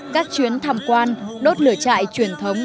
các chuyến tham quan đốt lửa chạy truyền thống